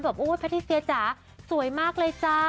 แบบโอ้ยพะที่เฟียจ๋าสวยมากเลยจ้า